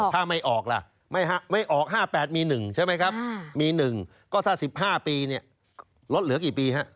ถ้าไม่ออกล่ะไม่ออก๕๘มี๑ใช่ไหมครับมี๑ก็ถ้า๑๕ปีเนี่ยลดเหลือกี่ปีฮะ